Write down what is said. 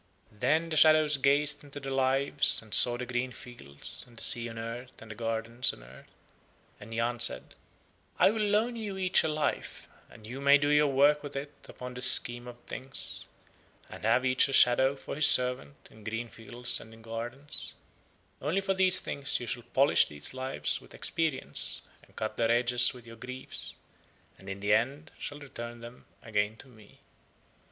Then the shadows gazed into the Lives and saw the green fields and the sea and earth and the gardens of earth. And Yahn said: "I will loan you each a Life, and you may do your work with it upon the Scheme of Things, and have each a shadow for his servant in green fields and in gardens, only for these things you shall polish these Lives with experience and cut their edges with your griefs, and in the end shall return them again to me."